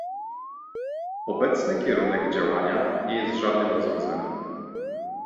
Obecny kierunek działania nie jest żadnym rozwiązaniem